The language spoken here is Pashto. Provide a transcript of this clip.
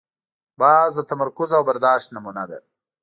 باز د تمرکز او برداشت نمونه ده